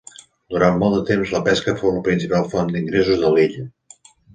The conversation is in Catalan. Durant molt de temps la pesca fou la principal font d'ingressos de l'illa.